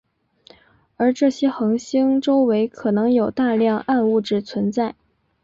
而这些恒星周围可能有大量暗物质存在。